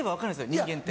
人間って。